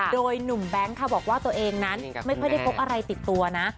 โดยหนุ่มแบงค์ค่ะบอกว่าตัวเองนั้นไม่ค่อยได้พกอะไรติดตัวนะ